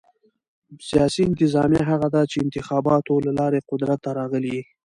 سیاسي انتظامیه هغه ده، چي انتخاباتو له لاري قدرت ته راغلي يي.